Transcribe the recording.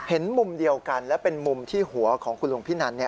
เห็นมุมเดียวกันและเป็นมุมที่หัวของคุณลุงพินัน